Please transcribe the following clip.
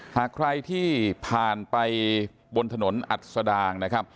หากใครที่ผ่านไปบนถนนอัศดางนะครับ